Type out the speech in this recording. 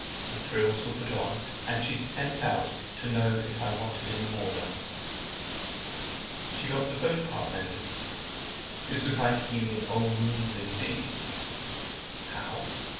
The frills were put on, and she sent up to know if I wanted any more done. She got the Buonaparte mended. This was like healing old wounds indeed! How?